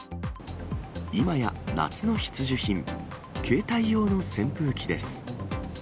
今や夏の必需品、携帯用の扇風機です。